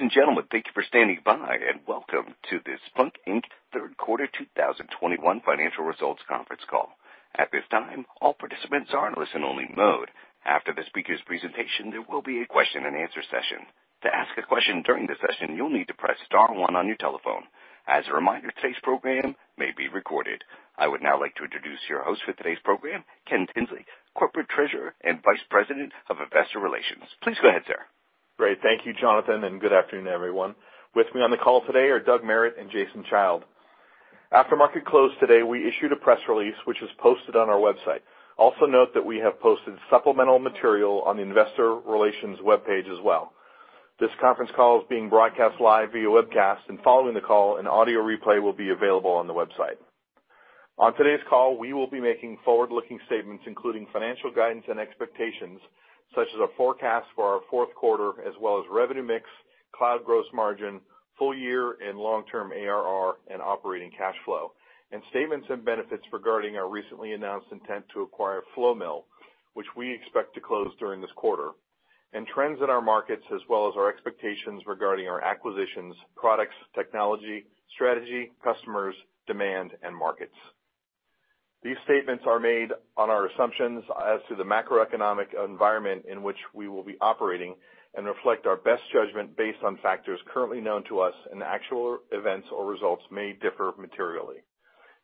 Ladies and gentlemen, thank you for standing by, and welcome to the Splunk Inc. Third Quarter 2021 Financial Results Conference Call. At this time, all participants are in listen-only mode. After the speaker's presentation, there will be a question and answer session. To ask a question during the session, you'll need to press star one on your telephone. As a reminder, today's program may be recorded. I would now like to introduce your host for today's program, Ken Tinsley, Corporate Treasurer and Vice President of Investor Relations. Please go ahead, sir. Great. Thank you, Jonathan, good afternoon, everyone. With me on the call today are Doug Merritt and Jason Child. After market close today, we issued a press release, which is posted on our website. Also note that we have posted supplemental material on the investor relations webpage as well. This conference call is being broadcast live via webcast, and following the call, an audio replay will be available on the website. On today's call, we will be making forward-looking statements, including financial guidance and expectations, such as our forecast for our fourth quarter, as well as revenue mix, cloud gross margin, full year and long-term ARR and operating cash flow. Statements and benefits regarding our recently announced intent to acquire Flowmill, which we expect to close during this quarter. Trends in our markets, as well as our expectations regarding our acquisitions, products, technology, strategy, customers, demand, and markets. These statements are made on our assumptions as to the macroeconomic environment in which we will be operating and reflect our best judgment based on factors currently known to us, and actual events or results may differ materially.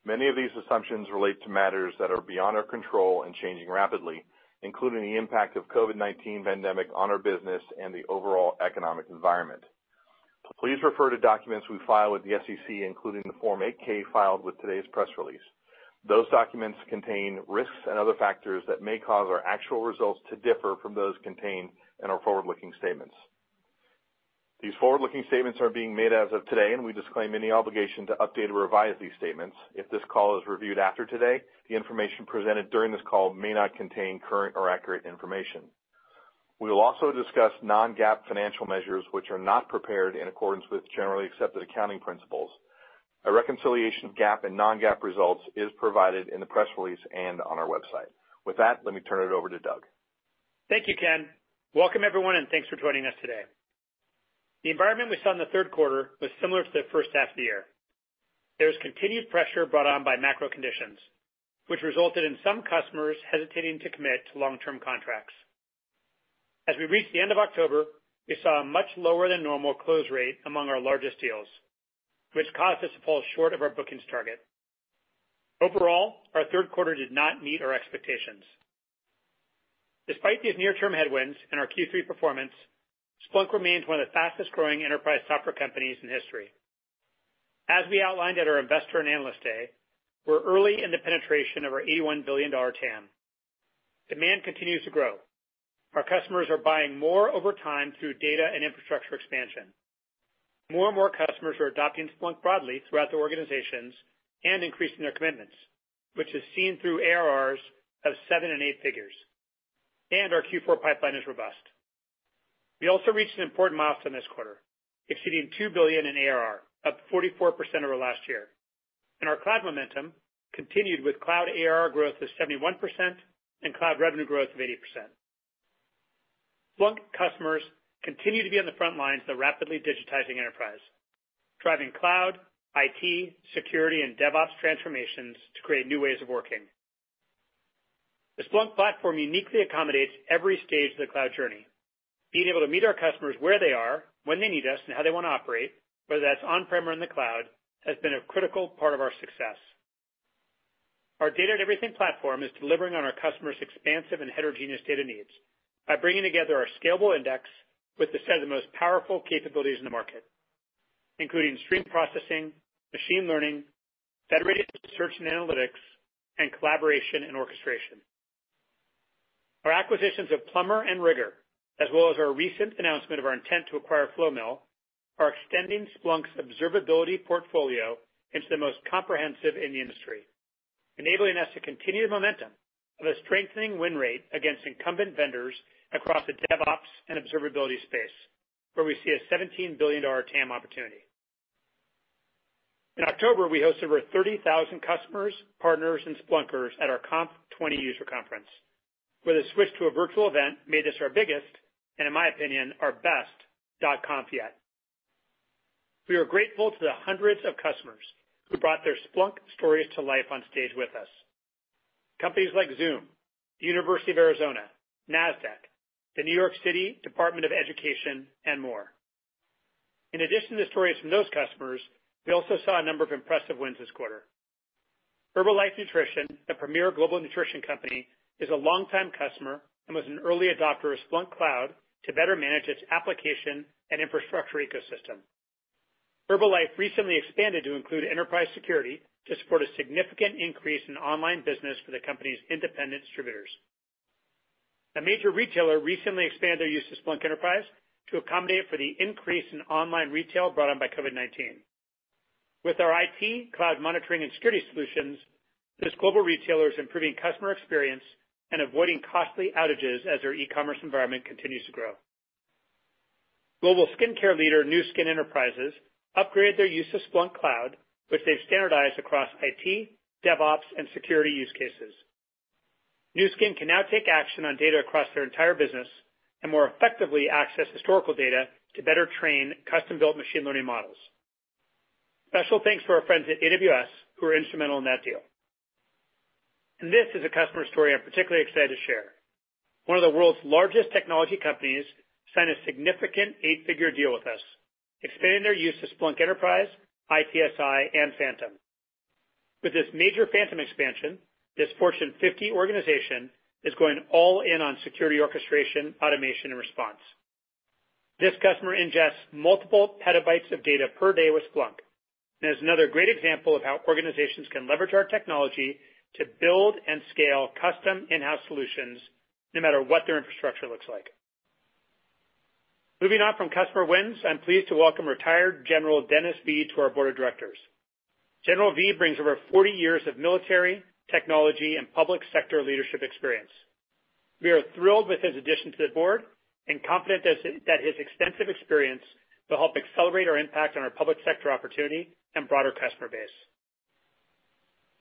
Many of these assumptions relate to matters that are beyond our control and changing rapidly, including the impact of COVID-19 pandemic on our business and the overall economic environment. Please refer to documents we file with the SEC, including the Form 8-K filed with today's press release. Those documents contain risks and other factors that may cause our actual results to differ from those contained in our forward-looking statements. These forward-looking statements are being made as of today, and we disclaim any obligation to update or revise these statements. If this call is reviewed after today, the information presented during this call may not contain current or accurate information. We will also discuss non-GAAP financial measures which are not prepared in accordance with generally accepted accounting principles. A reconciliation of GAAP and non-GAAP results is provided in the press release and on our website. With that, let me turn it over to Doug. Thank you, Ken. Welcome, everyone, and thanks for joining us today. The environment we saw in the third quarter was similar to the first half of the year. There was continued pressure brought on by macro conditions, which resulted in some customers hesitating to commit to long-term contracts. As we reached the end of October, we saw a much lower than normal close rate among our largest deals, which caused us to fall short of our bookings target. Overall, our third quarter did not meet our expectations. Despite these near-term headwinds in our Q3 performance, Splunk remains one of the fastest-growing enterprise software companies in history. As we outlined at our Investor and Analyst Day, we're early in the penetration of our $81 billion TAM. Demand continues to grow. Our customers are buying more over time through data and infrastructure expansion. More and more customers are adopting Splunk broadly throughout their organizations and increasing their commitments, which is seen through ARRs of seven and eight figures. Our Q4 pipeline is robust. We also reached an important milestone this quarter, exceeding $2 billion in ARR, up 44% over last year. Our cloud momentum continued with cloud ARR growth of 71% and cloud revenue growth of 80%. Splunk customers continue to be on the front lines of the rapidly digitizing enterprise, driving cloud, IT, security, and DevOps transformations to create new ways of working. The Splunk platform uniquely accommodates every stage of the cloud journey. Being able to meet our customers where they are, when they need us, and how they want to operate, whether that's on-prem or in the cloud, has been a critical part of our success. Our Data-to-Everything Platform is delivering on our customers' expansive and heterogeneous data needs by bringing together our scalable index with the set of the most powerful capabilities in the market, including stream processing, machine learning, federated search and analytics, and collaboration and orchestration. Our acquisitions of Plumbr and Rigor, as well as our recent announcement of our intent to acquire Flowmill, are extending Splunk's observability portfolio into the most comprehensive in the industry, enabling us to continue the momentum of a strengthening win rate against incumbent vendors across the DevOps and observability space, where we see a $17 billion TAM opportunity. In October, we hosted over 30,000 customers, partners, and Splunkers at our .conf20 user conference, where the switch to a virtual event made this our biggest, and in my opinion, our best .conf yet. We are grateful to the hundreds of customers who brought their Splunk stories to life on stage with us. Companies like Zoom, the University of Arizona, Nasdaq, the New York City Department of Education, and more. In addition to stories from those customers, we also saw a number of impressive wins this quarter. Herbalife Nutrition, a premier global nutrition company, is a long-time customer and was an early adopter of Splunk Cloud to better manage its application and infrastructure ecosystem. Herbalife recently expanded to include Enterprise Security to support a significant increase in online business for the company's independent distributors. A major retailer recently expanded their use of Splunk Enterprise to accommodate for the increase in online retail brought on by COVID-19. With our IT, cloud monitoring, and security solutions, this global retailer is improving customer experience and avoiding costly outages as their e-commerce environment continues to grow. Global skincare leader Nu Skin Enterprises upgraded their use of Splunk Cloud, which they've standardized across IT, DevOps, and security use cases. Nu Skin can now take action on data across their entire business and more effectively access historical data to better train custom-built machine learning models. Special thanks to our friends at AWS, who were instrumental in that deal. This is a customer story I'm particularly excited to share. One of the world's largest technology companies signed a significant 8-figure deal with us, expanding their use of Splunk Enterprise, ITSI, and Phantom. With this major Phantom expansion, this Fortune 50 organization is going all in on security orchestration, automation, and response. This customer ingests multiple petabytes of data per day with Splunk, and is another great example of how organizations can leverage our technology to build and scale custom in-house solutions, no matter what their infrastructure looks like. Moving on from customer wins, I'm pleased to welcome Retired General Dennis Via to our Board of Directors. General Via brings over 40 years of military, technology, and public sector leadership experience. We are thrilled with his addition to the Board and confident that his extensive experience will help accelerate our impact on our public sector opportunity and broader customer base.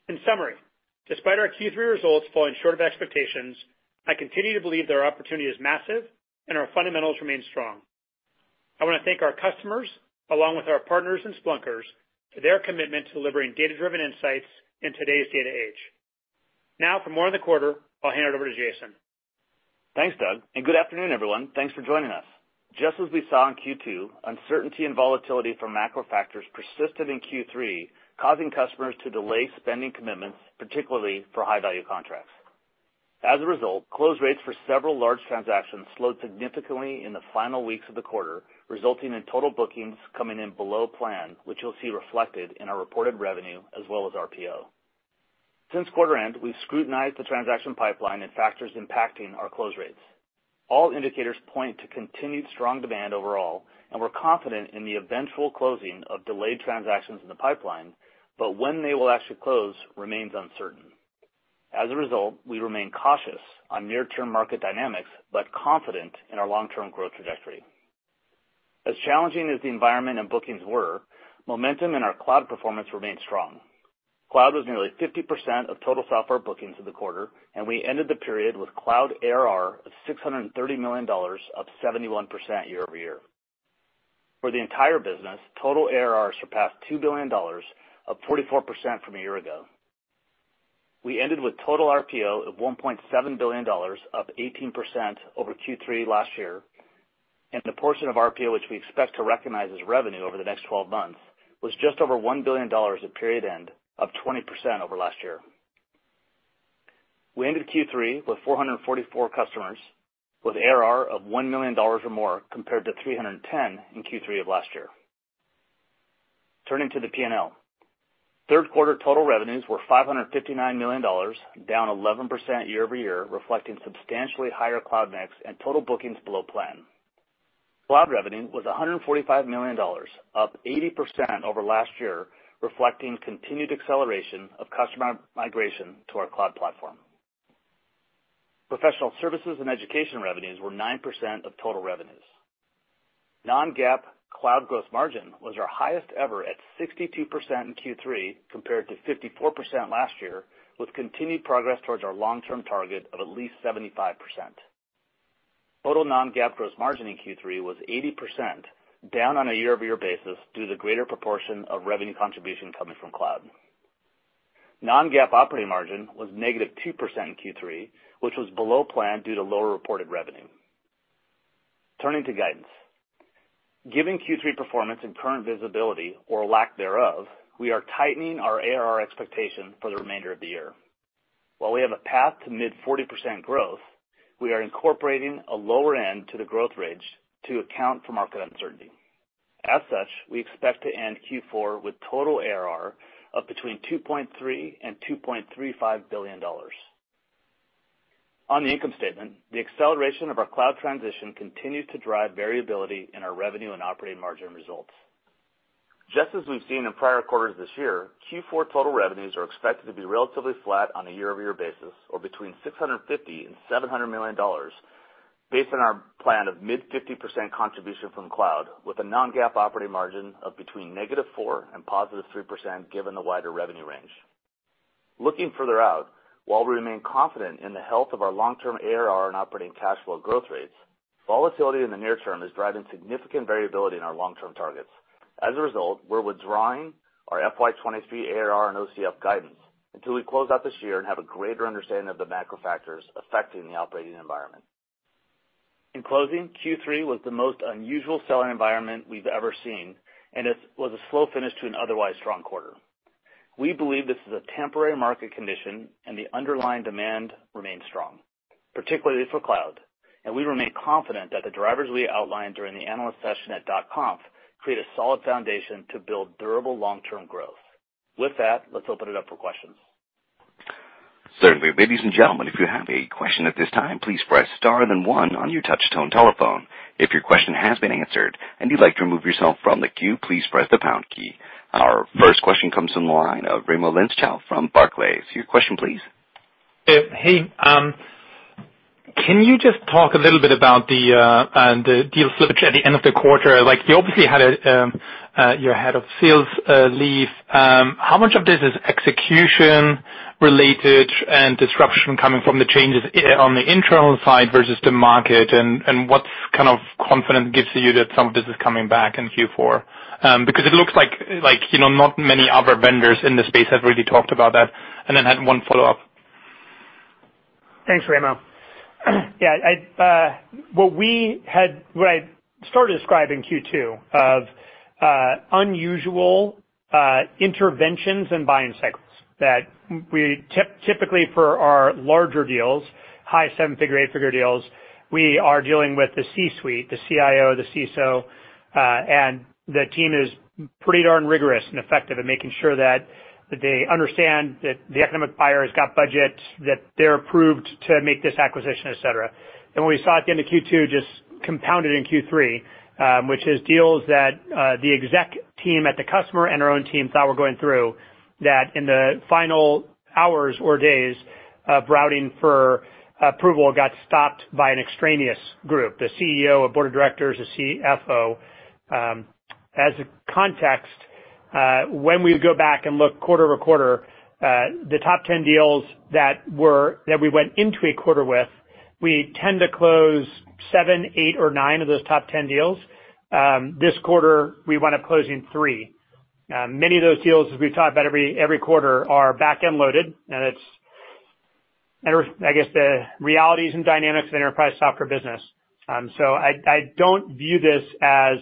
In summary, despite our Q3 results falling short of expectations, I continue to believe that our opportunity is massive and our fundamentals remain strong. I want to thank our customers, along with our partners and Splunkers, for their commitment to delivering data-driven insights in today's data age. Now, for more on the quarter, I'll hand it over to Jason. Thanks, Doug. Good afternoon, everyone. Thanks for joining us. Just as we saw in Q2, uncertainty and volatility from macro factors persisted in Q3, causing customers to delay spending commitments, particularly for high-value contracts. As a result, close rates for several large transactions slowed significantly in the final weeks of the quarter, resulting in total bookings coming in below plan, which you'll see reflected in our reported revenue as well as RPO. Since quarter end, we've scrutinized the transaction pipeline and factors impacting our close rates. All indicators point to continued strong demand overall, and we're confident in the eventual closing of delayed transactions in the pipeline, but when they will actually close remains uncertain. As a result, we remain cautious on near-term market dynamics, but confident in our long-term growth trajectory. As challenging as the environment and bookings were, momentum in our cloud performance remained strong. Cloud was nearly 50% of total software bookings for the quarter. We ended the period with cloud ARR of $630 million, up 71% year-over-year. For the entire business, total ARR surpassed $2 billion, up 44% from a year ago. We ended with total RPO of $1.7 billion, up 18% over Q3 last year, and the portion of RPO, which we expect to recognize as revenue over the next 12 months, was just over $1 billion at period end, up 20% over last year. We ended Q3 with 444 customers with ARR of $1 million or more, compared to 310 in Q3 of last year. Turning to the P&L. Third quarter total revenues were $559 million, down 11% year-over-year, reflecting substantially higher cloud mix and total bookings below plan. Cloud revenue was $145 million, up 80% over last year, reflecting continued acceleration of customer migration to our Cloud Platform. Professional services and education revenues were 9% of total revenues. Non-GAAP cloud gross margin was our highest ever, at 62% in Q3, compared to 54% last year, with continued progress towards our long-term target of at least 75%. Total non-GAAP gross margin in Q3 was 80%, down on a year-over-year basis due to the greater proportion of revenue contribution coming from cloud. Non-GAAP operating margin was -2% in Q3, which was below plan due to lower reported revenue. Turning to guidance. Given Q3 performance and current visibility, or lack thereof, we are tightening our ARR expectations for the remainder of the year. While we have a path to mid-40% growth, we are incorporating a lower end to the growth rates to account for market uncertainty. As such, we expect to end Q4 with total ARR of between $2.3 billion and $2.35 billion. On the income statement, the acceleration of our cloud transition continued to drive variability in our revenue and operating margin results. Just as we've seen in prior quarters this year, Q4 total revenues are expected to be relatively flat on a year-over-year basis, or between $650 million and $700 million, based on our plan of mid-50% contribution from cloud, with a non-GAAP operating margin of between -4% and +3% given the wider revenue range. Looking further out, while we remain confident in the health of our long-term ARR and operating cash flow growth rates, volatility in the near term is driving significant variability in our long-term targets. As a result, we're withdrawing our FY 2023 ARR and OCF guidance until we close out this year and have a greater understanding of the macro factors affecting the operating environment. In closing, Q3 was the most unusual selling environment we've ever seen, and it was a slow finish to an otherwise strong quarter. We believe this is a temporary market condition, and the underlying demand remains strong, particularly for cloud, and we remain confident that the drivers we outlined during the analyst session at .conf create a solid foundation to build durable long-term growth. With that, let's open it up for questions. Certainly. Ladies and gentlemen, Our first question comes from the line of Raimo Lenschow from Barclays. Your question, please. Can you just talk a little bit about the deal slippage at the end of the quarter? You obviously had your head of sales leave. How much of this is execution related and disruption coming from the changes on the internal side versus the market, and what kind of confidence gives you that some of this is coming back in Q4? It looks like not many other vendors in the space have really talked about that. I had one follow-up. Thanks, Raimo. Yeah. What I started describing Q2 of unusual interventions and buying cycles that we typically, for our larger deals, high seven-figure, eight-figure deals, we are dealing with the C-suite, the CIO, the CISO, and the team is pretty darn rigorous and effective at making sure that they understand that the economic buyer has got budget, that they're approved to make this acquisition, et cetera. What we saw at the end of Q2 just compounded in Q3, which is deals that the exec team at the customer and our own team thought were going through, that in the final hours or days of routing for approval, got stopped by an extraneous group, the CEO, a board of directors, a CFO. As a context, when we go back and look quarter-over-quarter, the top 10 deals that we went into a quarter with, we tend to close seven, eight or nine of those top 10 deals. This quarter, we wound up closing three. Many of those deals, as we've talked about every quarter, are back-end loaded, and it's, I guess, the realities and dynamics of enterprise software business. I don't view this as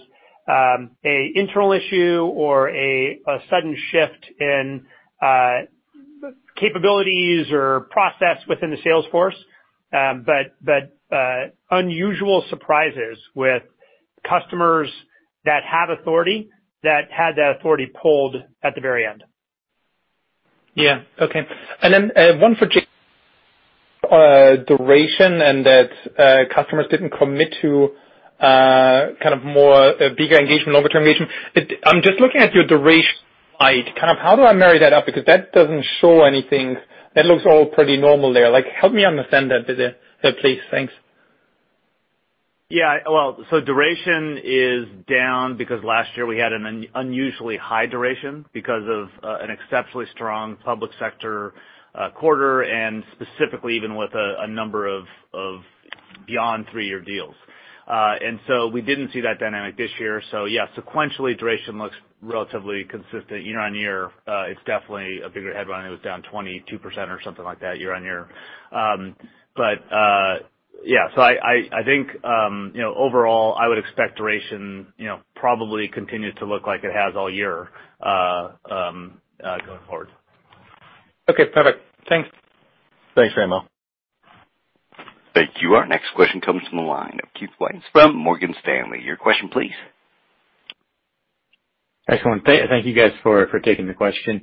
an internal issue or a sudden shift in capabilities or process within the sales force, but unusual surprises with customers that have authority, that had that authority pulled at the very end. Yeah. Okay. Then one for Jason, duration, and that customers didn't commit to bigger engagement, longer-term engagement. I'm just looking at your duration slide. How do I marry that up? That doesn't show anything. That looks all pretty normal there. Help me understand that bit there, please. Thanks. Yeah. Well, duration is down because last year we had an unusually high duration because of an exceptionally strong public sector quarter, and specifically even with a number of beyond three-year deals. We didn't see that dynamic this year. Yeah, sequentially, duration looks relatively consistent year-on-year. It's definitely a bigger headline. It was down 22% or something like that year-on-year. Yeah. I think, overall, I would expect duration probably continue to look like it has all year going forward. Okay, perfect. Thanks. Thanks, Raimo. Thank you. Our next question comes from the line of Keith Weiss from Morgan Stanley. Your question please. Excellent. Thank you guys for taking the question.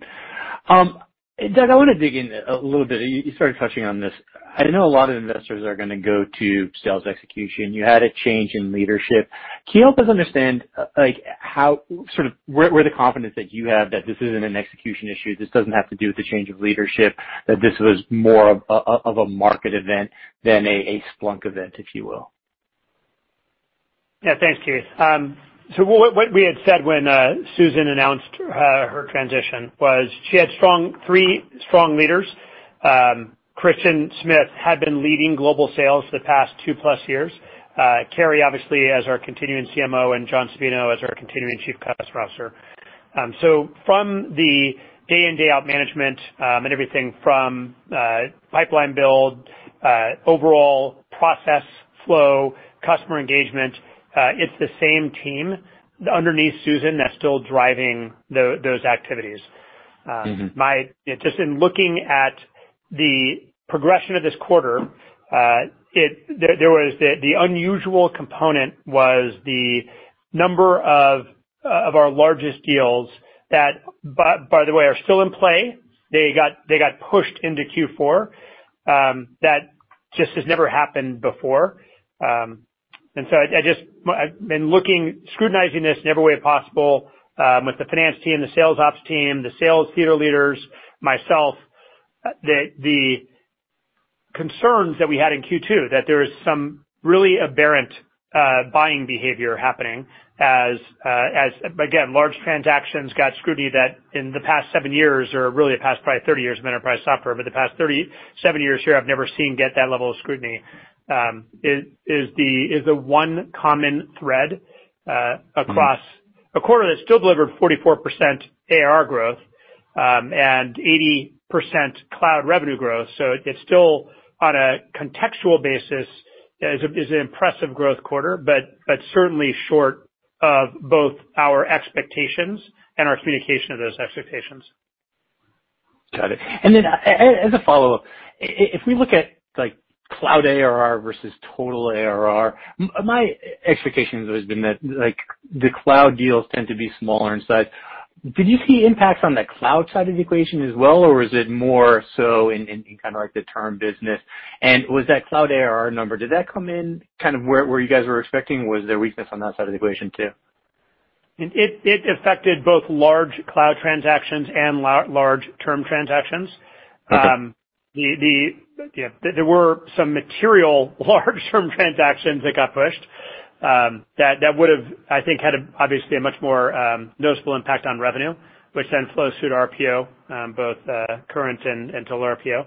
Doug, I want to dig in a little bit. You started touching on this. I know a lot of investors are going to go to sales execution. You had a change in leadership. Can you help us understand where the confidence that you have that this isn't an execution issue, this doesn't have to do with the change of leadership, that this was more of a market event than a Splunk event, if you will? Yeah. Thanks, Keith. What we had said when Susan announced her transition was she had three strong leaders. Christian Smith had been leading global sales for the past two-plus years. Carrie, obviously, as our continuing CMO, and John Sabino as our continuing Chief Customer Officer. From the day in, day out management, and everything from pipeline build, overall process flow, customer engagement, it's the same team underneath Susan that's still driving those activities. Just in looking at the progression of this quarter, the unusual component was the number of our largest deals that, by the way, are still in play. They got pushed into Q4. That just has never happened before. I've been scrutinizing this in every way possible, with the finance team, the sales ops team, the sales theater leaders, myself, that the concerns that we had in Q2, that there was some really aberrant buying behavior happening as, again, large transactions got scrutiny that in the past seven years, or really the past probably 30 years of enterprise software, but the past seven years sure I've never seen get that level of scrutiny, is the one common thread across a quarter that still delivered 44% ARR growth, and 80% cloud revenue growth. It's still, on a contextual basis, is an impressive growth quarter, but certainly short of both our expectations and our communication of those expectations. Got it. As a follow-up, if we look at cloud ARR versus total ARR, my expectation has always been that the cloud deals tend to be smaller in size. Did you see impacts on the cloud side of the equation as well, or was it more so in the term business, and was that cloud ARR number, did that come in where you guys were expecting, or was there weakness on that side of the equation too? It affected both large cloud transactions and large term transactions. Okay. There were some material large term transactions that got pushed, that would have, I think, had obviously a much more noticeable impact on revenue, which then flows through to our PO, both current and total RPO.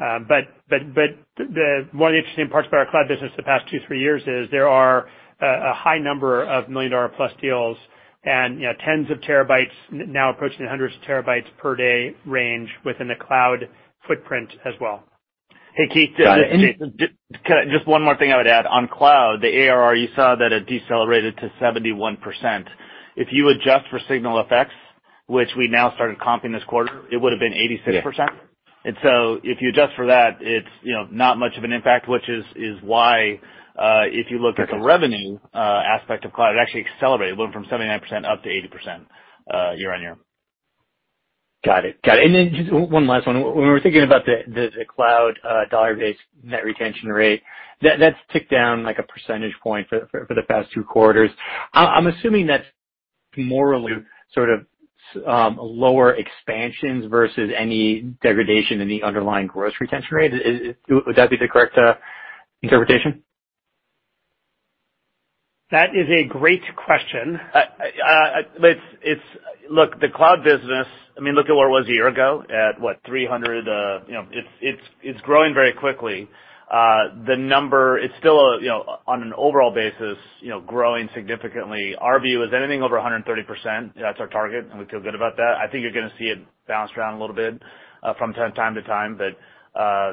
One of the interesting parts about our cloud business the past two, three years is there are a high number of million-dollar-plus deals and tens of terabytes now approaching hundreds of terabytes per day range within the cloud footprint as well. Hey, Keith. Got it. Just one more thing I would add. On cloud, the ARR, you saw that it decelerated to 71%. If you adjust for SignalFx, which we now started comping this quarter, it would have been 86%. Yes. If you adjust for that, it's not much of an impact, which is why, if you look at the revenue aspect of cloud, it actually accelerated, it went from 79% up to 80% year-on-year. Got it. Just one last one. When we were thinking about the cloud dollar-based net retention rate, that's ticked down like a percentage point for the past two quarters. I'm assuming that's more sort of lower expansions versus any degradation in the underlying gross retention rate. Would that be the correct interpretation? That is a great question. Look, the cloud business, look at where it was a year ago at, what, $300 million. It's growing very quickly. The number is still, on an overall basis, growing significantly. Our view is anything over 130%, that's our target, and we feel good about that. I think you're going to see it bounce around a little bit from time to time, but I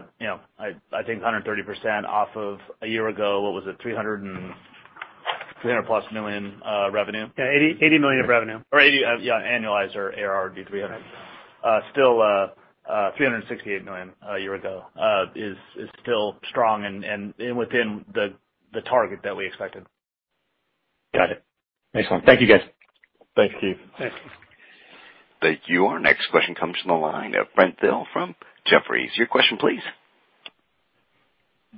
think 130% off of a year ago, what was it, $300+ million revenue? Yeah, $80 million of revenue. 80, yeah, annualized or ARR, $300. Still $368 million a year ago is still strong and within the target that we expected. Got it. Excellent. Thank you, guys. Thanks, Keith. Thanks. Thank you. Our next question comes from the line of Brent Thill from Jefferies. Your question, please.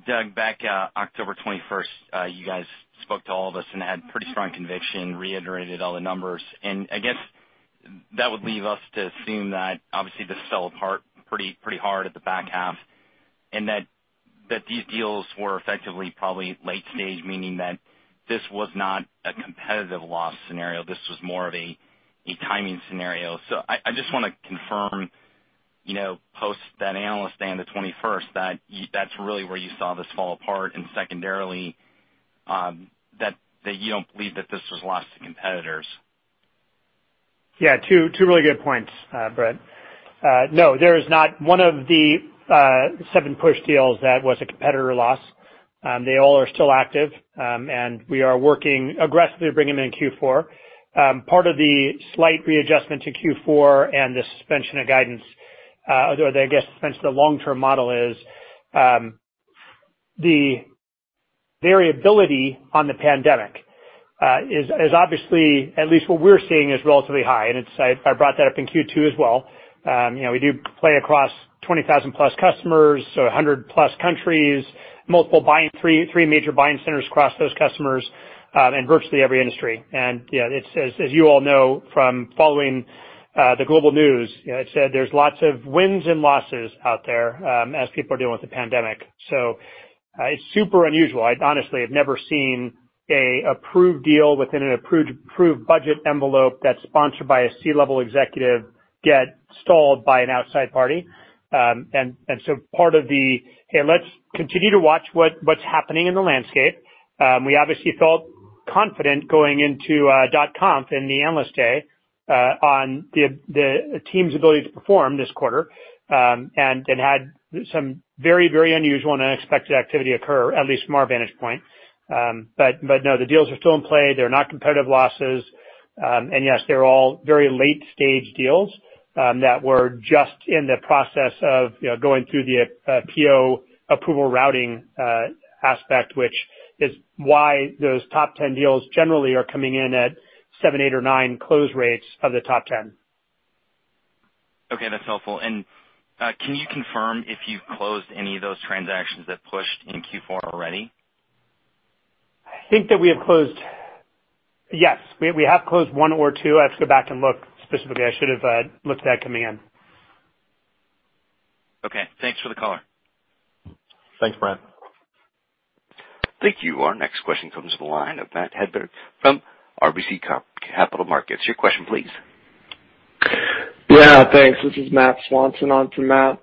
Doug, back October 21st, you guys spoke to all of us and had pretty strong conviction, reiterated all the numbers. I guess that would leave us to assume that obviously this fell apart pretty hard at the back half, and that these deals were effectively probably late-stage, meaning that this was not a competitive loss scenario. This was more of a timing scenario. I just wanna confirm post that Analyst Day on the 21st, that's really where you saw this fall apart, and secondarily, that you don't believe that this was lost to competitors? Yeah, two really good points, Brent. No, there is not one of the seven push deals that was a competitor loss. They all are still active, and we are working aggressively to bring them in Q4. Part of the slight readjustment to Q4 and the suspension of guidance, or I guess, suspension of the long-term model is the variability on the pandemic is obviously, at least what we're seeing, is relatively high, and I brought that up in Q2 as well. We do play across 20,000-plus customers, 100-plus countries, three major buying centers across those customers, and virtually every industry. As you all know from following the global news, there's lots of wins and losses out there as people are dealing with the pandemic. It's super unusual. I honestly have never seen an approved deal within an approved budget envelope that's sponsored by a C-level executive get stalled by an outside party. Part of the, "Hey, let's continue to watch what's happening in the landscape." We obviously felt confident going into .conf in the Analyst Day on the team's ability to perform this quarter, and had some very unusual and unexpected activity occur, at least from our vantage point. No, the deals are still in play. They're not competitive losses. Yes, they're all very late-stage deals that were just in the process of going through the PO approval routing aspect, which is why those top 10 deals generally are coming in at seven, eight, or nine close rates of the top 10. Okay, that's helpful. Can you confirm if you've closed any of those transactions that pushed in Q4 already? We have closed one or two. I have to go back and look specifically. I should have looked at that coming in. Okay. Thanks for the color. Thanks, Brent. Thank you. Our next question comes from the line of Matthew Hedberg from RBC Capital Markets. Your question, please. Yeah, thanks. This is Matthew Swanson on for Matt.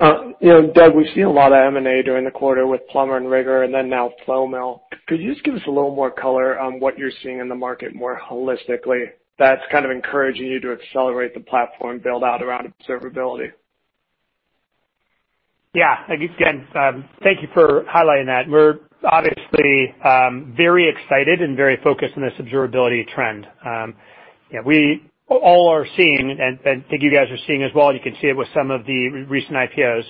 Doug, we've seen a lot of M&A during the quarter with Plumbr and Rigor, and then now Flowmill. Could you just give us a little more color on what you're seeing in the market more holistically that's kind of encouraging you to accelerate the platform build-out around observability? Again, thank you for highlighting that. We're obviously very excited and very focused on this observability trend. We all are seeing, and I think you guys are seeing as well, you can see it with some of the recent IPOs,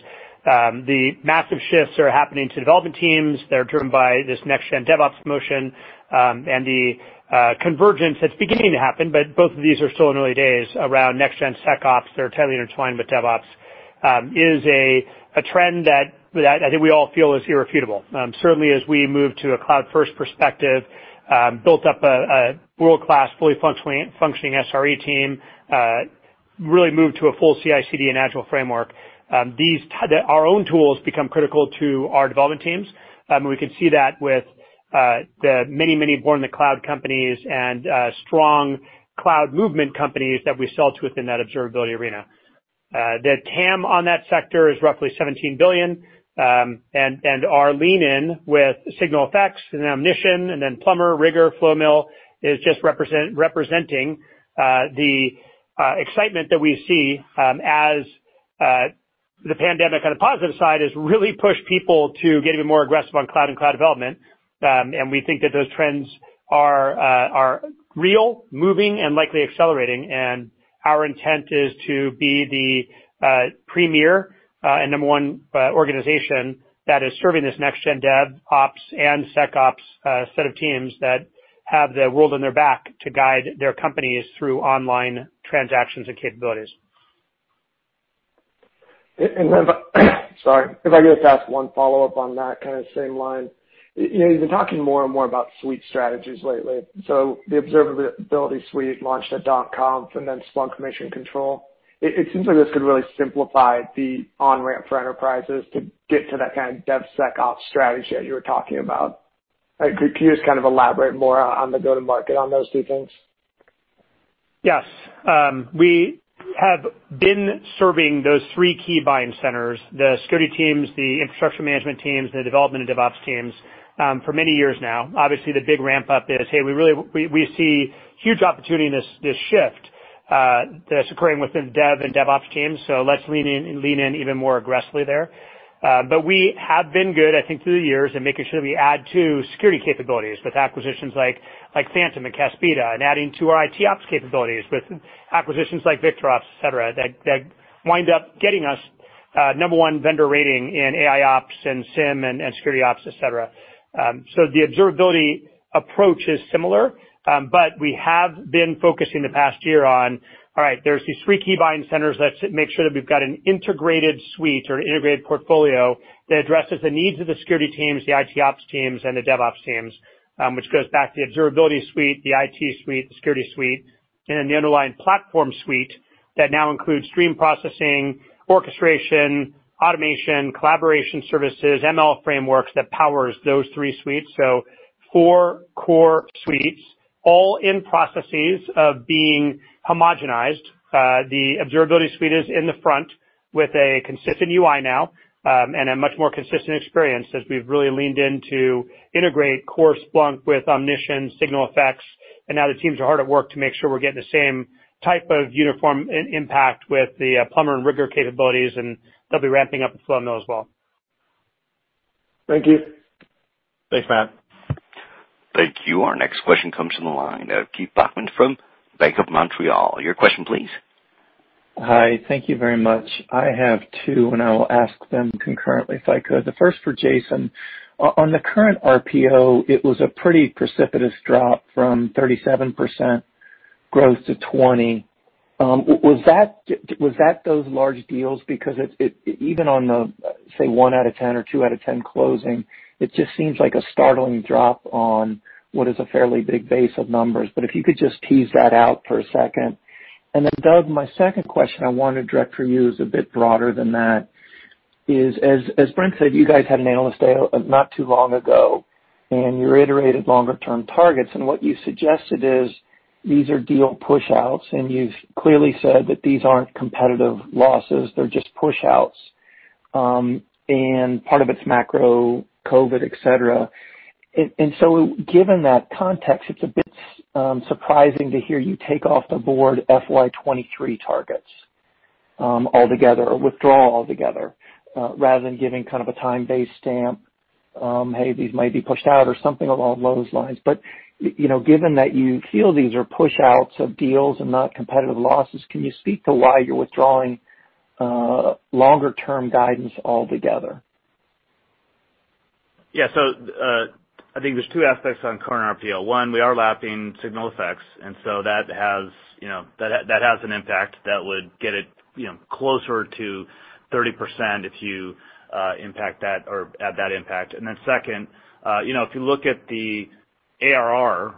the massive shifts are happening to development teams. They're driven by this next-gen DevOps motion, and the convergence that's beginning to happen, but both of these are still in the early days around next-gen SecOps. They're tightly intertwined with DevOps. This is a trend that I think we all feel is irrefutable. Certainly as we move to a cloud-first perspective, built up a world-class, fully functioning SRE team, really moved to a full CI/CD and agile framework. Our own tools become critical to our development teams, and we can see that with the many born-in-the-cloud companies and strong cloud movement companies that we sell to within that observability arena. The TAM on that sector is roughly $17 billion. Our lean in with SignalFx and Omnition, and then Plumbr, Rigor, Flowmill is just representing the excitement that we see as the pandemic, on the positive side, has really pushed people to get even more aggressive on cloud and cloud development. We think that those trends are real, moving, and likely accelerating. Our intent is to be the premier and number one organization that is serving this next gen dev, ops, and SecOps set of teams that have the world on their back to guide their companies through online transactions and capabilities. Sorry. If I could just ask one follow-up on that same line. You've been talking more and more about suite strategies lately. The Observability Suite launched at .conf and then Splunk Mission Control. It seems like this could really simplify the on-ramp for enterprises to get to that kind of DevSecOps strategy that you were talking about. Could you just elaborate more on the go-to-market on those two things? Yes. We have been serving those three key buying centers, the security teams, the infrastructure management teams, the development and DevOps teams, for many years now. Obviously, the big ramp-up is, hey, we see huge opportunity in this shift that's occurring within dev and DevOps teams, so let's lean in even more aggressively there. We have been good, I think, through the years in making sure we add to security capabilities with acquisitions like Phantom and Caspida, and adding to our ITOps capabilities with acquisitions like VictorOps, et cetera, that wind up getting us number one vendor rating in AIOps and SIEM and SecOps, et cetera. The observability approach is similar, but we have been focusing the past year on, all right, there's these three key buying centers. Let's make sure that we've got an integrated suite or an integrated portfolio that addresses the needs of the security teams, the ITOps teams, and the DevOps teams, which goes back to the Observability Suite, the IT suite, the Security Suite, and then the underlying platform suite that now includes stream processing, orchestration, automation, collaboration services, ML frameworks that powers those three suites. Four core suites, all in processes of being homogenized. The Observability Suite is in the front with a consistent UI now, and a much more consistent experience as we've really leaned in to integrate core Splunk with Omnition, SignalFx, and now the teams are hard at work to make sure we're getting the same type of uniform impact with the Plumbr and Rigor capabilities, and they'll be ramping up with Flowmill as well. Thank you. Thanks, Matt. Thank you. Our next question comes from the line of Keith Bachman from Bank of Montreal. Your question, please. Hi. Thank you very much. I have two, and I will ask them concurrently if I could. The first for Jason. On the current RPO, it was a pretty precipitous drop from 37% growth to 20%. Was that those large deals? Because even on the, say, one out of 10 or two out of 10 closing, it just seems like a startling drop on what is a fairly big base of numbers. If you could just tease that out for a second. Doug, my second question I want to direct for you is a bit broader than that, is, as Brent said, you guys had an analyst day not too long ago, and you reiterated longer-term targets. What you suggested is these are deal push-outs, and you've clearly said that these aren't competitive losses, they're just push-outs, and part of it's macro, COVID, et cetera. Given that context, it's a bit surprising to hear you take off the board FY 2023 targets altogether, or withdraw altogether, rather than giving kind of a time-based stamp, hey, these might be pushed out or something along those lines. Given that you feel these are push-outs of deals and not competitive losses, can you speak to why you're withdrawing longer-term guidance altogether? I think there's two aspects on current RPO. One, we are lapping SignalFx, that has an impact that would get it closer to 30% if you add that impact. Second, if you look at the ARR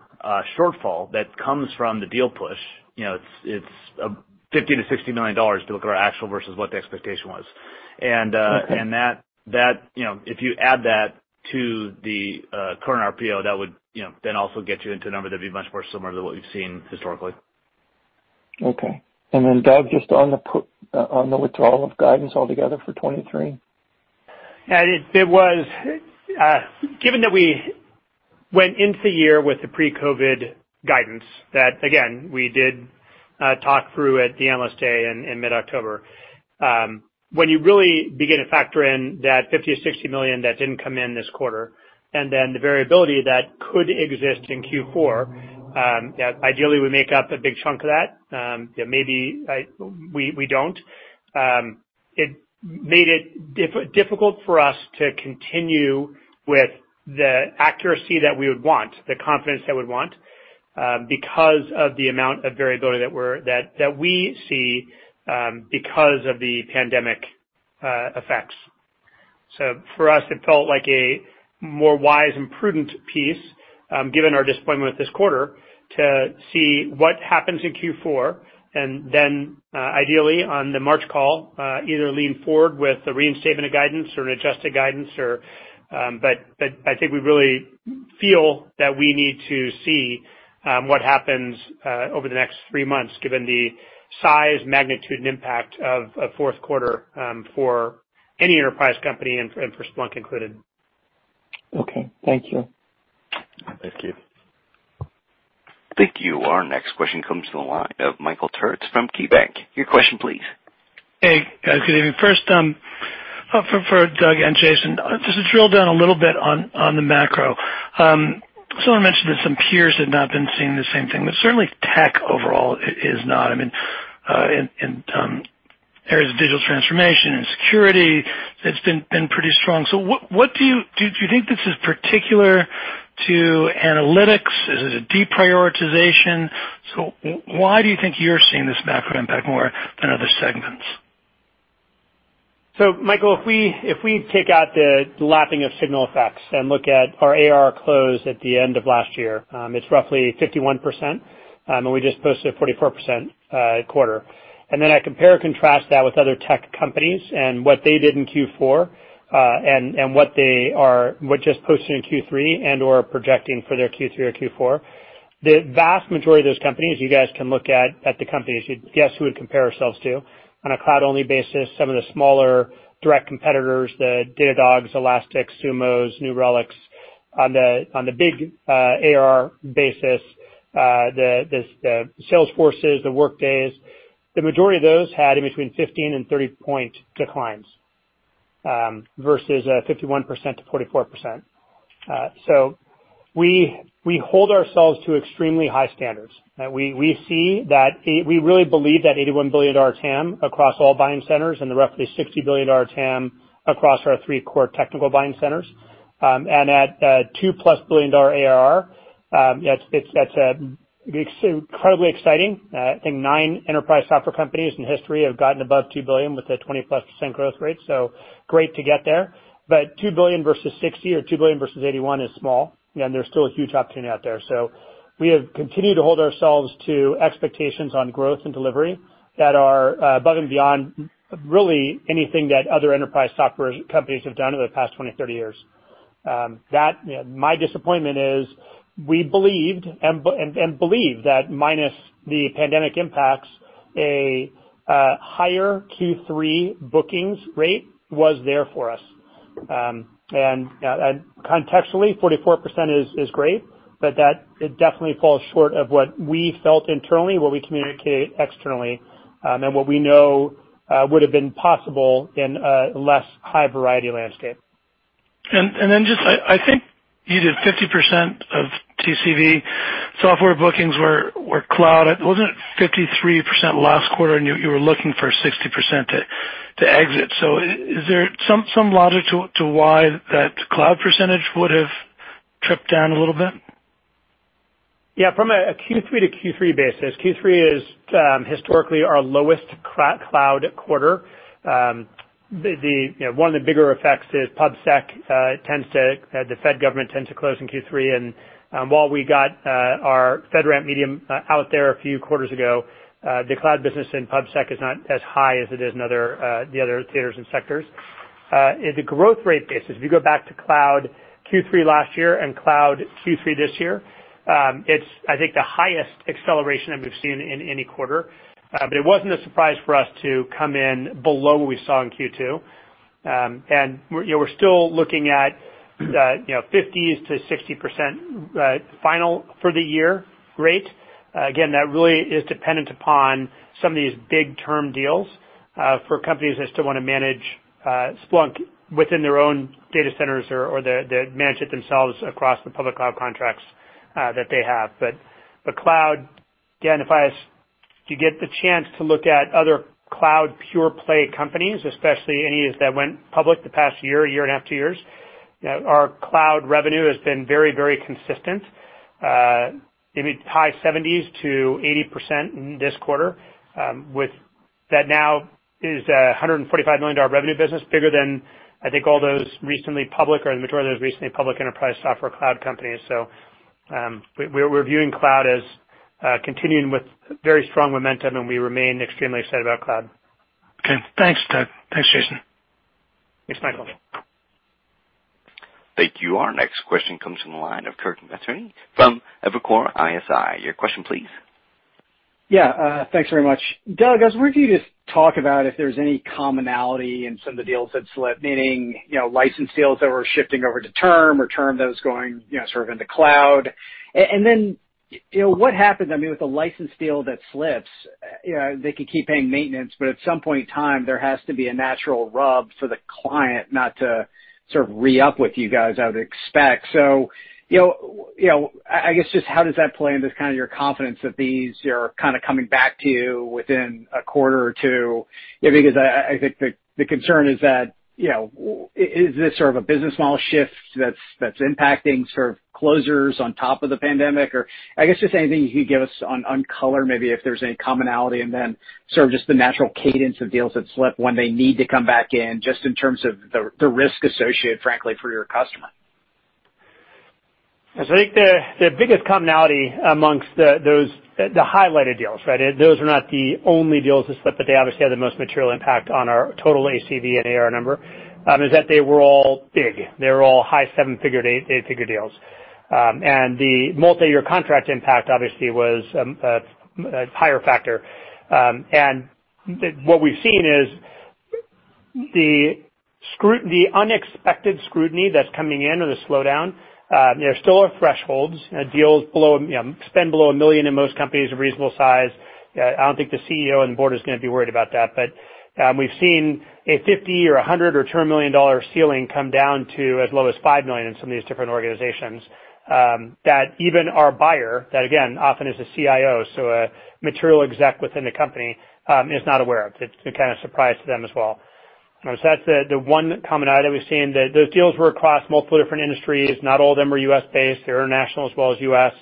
shortfall that comes from the deal push, it's $50 million-$60 million if you look at our actual versus what the expectation was. Okay. If you add that to the current RPO, that would then also get you into a number that'd be much more similar to what we've seen historically. Okay. Doug, just on the withdrawal of guidance altogether for FY 2023. Given that we went into the year with the pre-COVID guidance, that again, we did talk through at the analyst day in mid-October. When you really begin to factor in that $50 million-$60 million that didn't come in this quarter, and then the variability that could exist in Q4, that ideally would make up a big chunk of that, maybe we don't. It made it difficult for us to continue with the accuracy that we would want, the confidence that we would want because of the amount of variability that we see because of the pandemic effects. For us, it felt like a more wise and prudent piece, given our disappointment this quarter, to see what happens in Q4, and then ideally on the March call, either lean forward with the reinstatement of guidance or an adjusted guidance. I think we really feel that we need to see what happens over the next three months given the size, magnitude, and impact of a fourth quarter for any enterprise company and for Splunk included. Okay. Thank you. Thank you. Thank you. Our next question comes from the line of Michael Turits from KeyBanc. Your question, please. Hey, guys. Good evening. First, for Doug and Jason, just to drill down a little bit on the macro. Someone mentioned that some peers have not been seeing the same thing, but certainly tech overall is not. In areas of digital transformation and security, it's been pretty strong. Do you think this is particular to analytics? Is it a deprioritization? Why do you think you're seeing this macro impact more than other segments? Michael, if we take out the lapping of SignalFx and look at our ARR close at the end of last year, it's roughly 51%, and we just posted a 44% quarter. I compare and contrast that with other tech companies and what they did in Q4, and what they just posted in Q3 and/or are projecting for their Q3 or Q4. The vast majority of those companies, you guys can look at the companies, you'd guess who we'd compare ourselves to. On a cloud-only basis, some of the smaller direct competitors, the Datadogs, Elastics, Sumos, New Relics. On the big ARR basis, the Salesforces, the Workdays. The majority of those had in between 15 and 30 point declines, versus 51%-44%. We hold ourselves to extremely high standards. We really believe that $81 billion TAM across all buying centers and the roughly $60 billion TAM across our three core technical buying centers. At $2-plus billion ARR, it's incredibly exciting. I think nine enterprise software companies in history have gotten above $2 billion with a 20-plus% growth rate, so great to get there. $2 billion versus $60 or $2 billion versus $81 is small, and there's still a huge opportunity out there. We have continued to hold ourselves to expectations on growth and delivery that are above and beyond, really anything that other enterprise software companies have done over the past 20, 30 years. My disappointment is we believed and believe that minus the pandemic impacts, a higher Q3 bookings rate was there for us. Contextually, 44% is great, but it definitely falls short of what we felt internally, what we communicate externally, and what we know would've been possible in a less high variety landscape. Then just, I think you did 50% of TCV software bookings were cloud? Wasn't it 53% last quarter, and you were looking for 60% to exit? Is there some logic to why that cloud percentage would have tripped down a little bit? Yeah, from a Q3 to Q3 basis, Q3 is historically our lowest cloud quarter. One of the bigger effects is PubSec, the Fed government tends to close in Q3. While we got our FedRAMP medium out there a few quarters ago, the cloud business in PubSec is not as high as it is in the other theaters and sectors. In the growth rate basis, if you go back to cloud Q3 last year and cloud Q3 this year, it's I think the highest acceleration that we've seen in any quarter. It wasn't a surprise for us to come in below what we saw in Q2. We're still looking at 50%-60% final for the year rate. Again, that really is dependent upon some of these big term deals for companies that still want to manage Splunk within their own data centers or manage it themselves across the public cloud contracts that they have. The cloud, again, if you get the chance to look at other cloud pure play companies, especially any of those that went public the past year and a half, two years, our cloud revenue has been very consistent. Maybe high 70s to 80% this quarter. That now is a $145 million revenue business, bigger than I think all those recently public or the majority of those recently public enterprise software cloud companies. We're viewing cloud as continuing with very strong momentum, and we remain extremely excited about cloud. Okay. Thanks, Doug. Thanks, Jason. Thanks, Michael. Thank you. Our next question comes from the line of Kirk Materne from Evercore ISI. Your question, please. Yeah. Thanks very much. Doug, I was wondering if you could just talk about if there's any commonality in some of the deals that slipped, meaning license deals that were shifting over to term or term that was going into cloud. What happens with a license deal that slips? They could keep paying maintenance, but at some point in time, there has to be a natural rub for the client not to re-up with you guys, I would expect. I guess just how does that play into your confidence that these are coming back to you within a quarter or two? I think the concern is that, is this a business model shift that's impacting closures on top of the pandemic? I guess just anything you could give us on color, maybe if there's any commonality, and then just the natural cadence of deals that slip when they need to come back in, just in terms of the risk associated, frankly, for your customer. I think the biggest commonality amongst the highlighted deals, those are not the only deals that slipped, but they obviously had the most material impact on our total ACV and ARR number, is that they were all big. They were all high seven-figure to eight-figure deals. The multi-year contract impact, obviously, was a higher factor. What we've seen is the unexpected scrutiny that's coming in or the slowdown, there still are thresholds. Spend below $1 million in most companies of reasonable size, I don't think the CEO and the board is going to be worried about that. We've seen a $50 million or $100 million or $200 million ceiling come down to as low as $5 million in some of these different organizations, that even our buyer, that again, often is a CIO, so a material exec within the company, is not aware of. It's a surprise to them as well. That's the one commonality we've seen. Those deals were across multiple different industries. Not all of them were U.S.-based. They're international as well as U.S.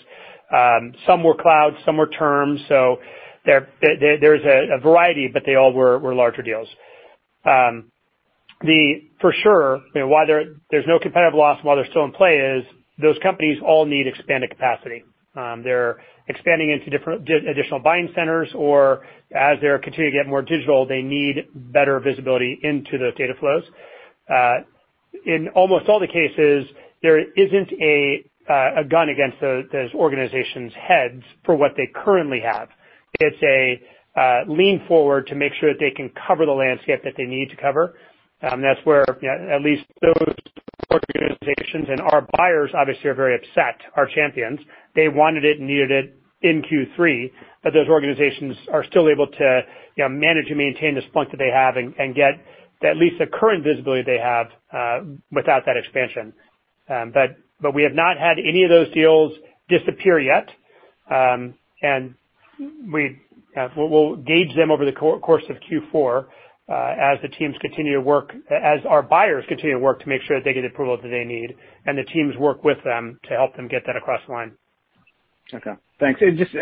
Some were cloud, some were term. There's a variety, but they all were larger deals. For sure, why there's no competitive loss and why they're still in play is those companies all need expanded capacity. They're expanding into different additional buying centers or as they continue to get more digital, they need better visibility into those data flows. In almost all the cases, there isn't a gun against those organizations' heads for what they currently have. It's a lean forward to make sure that they can cover the landscape that they need to cover. That's where at least those organizations, and our buyers obviously are very upset, our champions. They wanted it and needed it in Q3, but those organizations are still able to manage and maintain the Splunk that they have and get at least the current visibility they have without that expansion. We have not had any of those deals disappear yet. We'll gauge them over the course of Q4 as our buyers continue to work to make sure that they get the approval that they need, and the teams work with them to help them get that across the line. Okay. Thanks. Just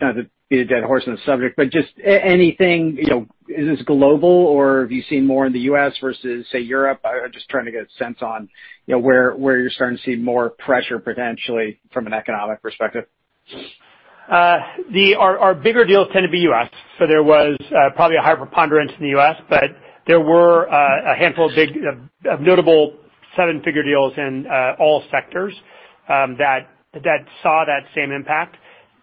not to beat a dead horse on the subject, but just anything, is this global or have you seen more in the U.S. versus, say, Europe? I'm just trying to get a sense on where you're starting to see more pressure potentially from an economic perspective. Our bigger deals tend to be U.S., so there was probably a higher preponderance in the U.S., but there were a handful of big, notable seven-figure deals in all sectors that saw that same impact.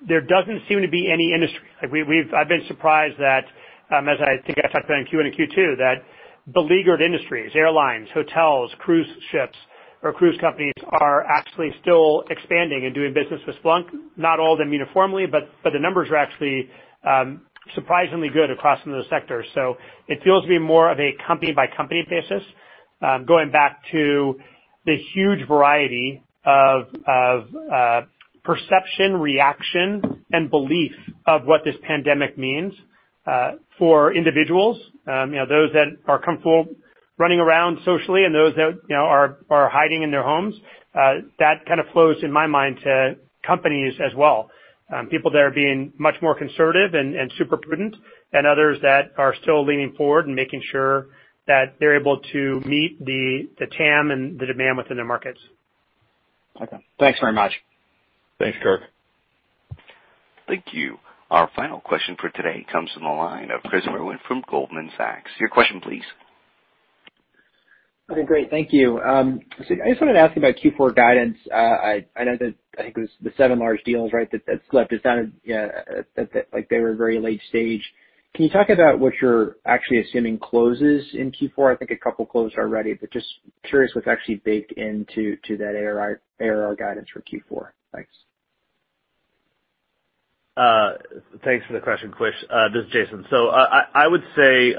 There doesn't seem to be any industry. I've been surprised that, as I think I talked about in Q1 and Q2, that beleaguered industries, airlines, hotels, cruise ships or cruise companies, are actually still expanding and doing business with Splunk. Not all of them uniformly, but the numbers are actually surprisingly good across some of those sectors. It feels to be more of a company-by-company basis. Going back to the huge variety of perception, reaction, and belief of what this pandemic means for individuals, those that are comfortable running around socially and those that are hiding in their homes, that kind of flows in my mind to companies as well. People that are being much more conservative and super prudent, and others that are still leaning forward and making sure that they're able to meet the TAM and the demand within their markets. Okay. Thanks very much. Thanks, Kirk. Thank you. Our final question for today comes from the line of Chris Merwin from Goldman Sachs. Your question please. Okay, great. Thank you. I just wanted to ask about Q4 guidance. I know that I think it was the seven large deals, right, that slipped. It sounded like they were very late-stage. Can you talk about what you're actually assuming closes in Q4? I think a couple closed already, but just curious what's actually baked into that ARR guidance for Q4. Thanks. Thanks for the question, Chris. This is Jason. I would say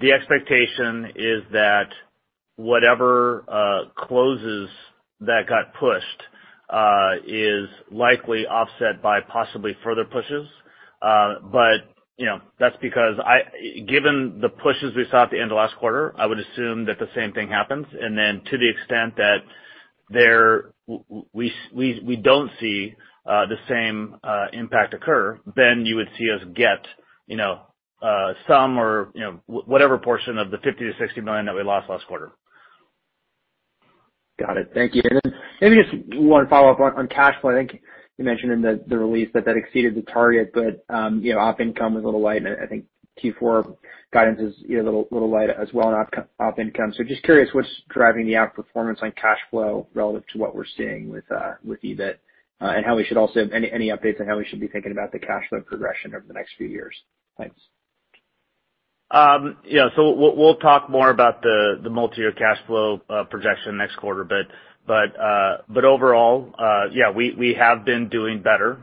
the expectation is that whatever closes that got pushed is likely offset by possibly further pushes. That's because given the pushes we saw at the end of last quarter, I would assume that the same thing happens. To the extent that we don't see the same impact occur, then you would see us get some or whatever portion of the $50 million-$60 million that we lost last quarter. Got it. Thank you. Maybe just one follow-up on cash flow. I think you mentioned in the release that that exceeded the target, but op income was a little light, and I think Q4 guidance is a little light as well on op income. Just curious what's driving the outperformance on cash flow relative to what we're seeing with EBIT, and any updates on how we should be thinking about the cash flow progression over the next few years? Thanks. We'll talk more about the multi-year cash flow projection next quarter. Overall, we have been doing better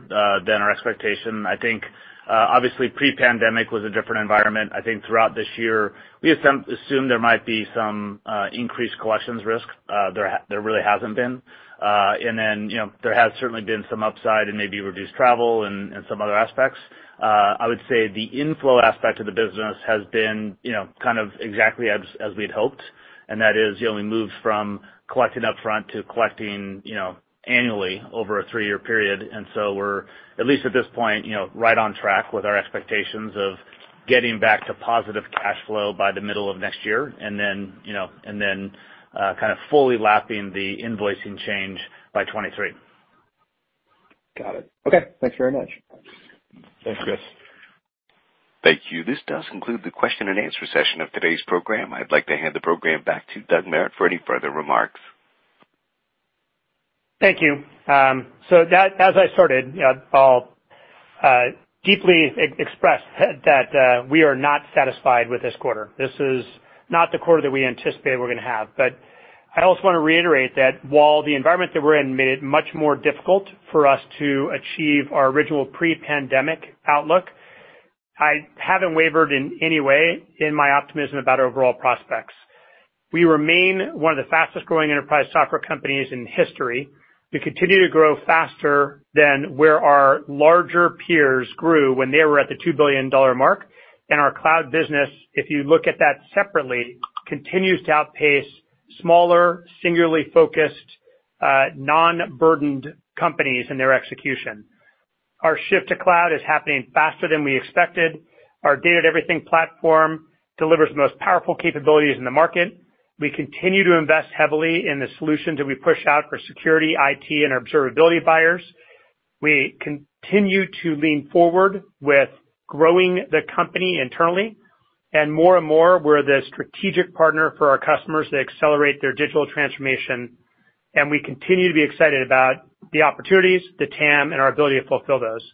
than our expectation. I think, obviously pre-pandemic was a different environment. I think throughout this year, we assumed there might be some increased collections risk. There really hasn't been. There has certainly been some upside in maybe reduced travel and some other aspects. I would say the inflow aspect of the business has been kind of exactly as we'd hoped, and that is we moved from collecting upfront to collecting annually over a 3-year period. We're, at least at this point, right on track with our expectations of getting back to positive cash flow by the middle of next year, and then kind of fully lapping the invoicing change by 2023. Got it. Okay, thanks very much. Thanks, Chris. Thank you. This does conclude the question and answer session of today's program. I'd like to hand the program back to Doug Merritt for any further remarks. Thank you. As I started, I'll deeply express that we are not satisfied with this quarter. This is not the quarter that we anticipated we're going to have. I also want to reiterate that while the environment that we're in made it much more difficult for us to achieve our original pre-pandemic outlook, I haven't wavered in any way in my optimism about our overall prospects. We remain one of the fastest-growing enterprise software companies in history. We continue to grow faster than where our larger peers grew when they were at the $2 billion mark. Our cloud business, if you look at that separately, continues to outpace smaller, singularly focused, non-burdened companies in their execution. Our shift to cloud is happening faster than we expected. Our Data-to-Everything Platform delivers the most powerful capabilities in the market. We continue to invest heavily in the solutions that we push out for security, IT, and observability buyers. We continue to lean forward with growing the company internally, and more and more, we're the strategic partner for our customers to accelerate their digital transformation. We continue to be excited about the opportunities, the TAM, and our ability to fulfill those.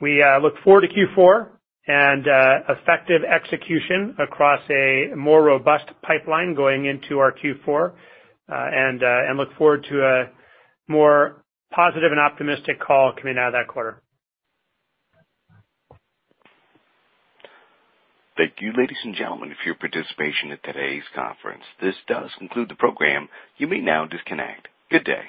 We look forward to Q4 and effective execution across a more robust pipeline going into our Q4, and look forward to a more positive and optimistic call coming out of that quarter. Thank you, ladies and gentlemen, for your participation in today's conference. This does conclude the program. You may now disconnect. Good day.